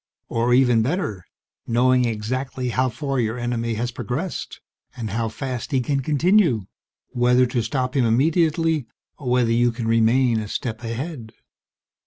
"Or even better: knowing exactly how far your enemy has progressed and how fast he can continue, whether to stop him immediately or whether you can remain a step ahead."